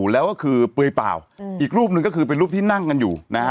หันน่าเขาหากันอ่ะ